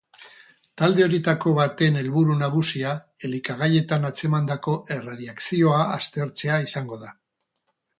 Talde horietako baten helburu nagusia elikagaietan antzemandako erradiakzioa aztertzea izango da.